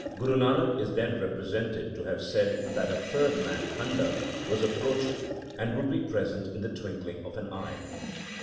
Guru Nanak is then represented to have said that a third man, Handal, was approaching, and would be present in the twinkling of an eye.